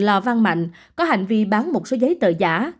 lò văn mạnh có hành vi bán một số giấy tờ giả